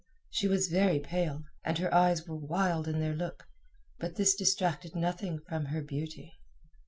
She was very pale, and her eyes were wild in their look, but this detracted nothing from her beauty.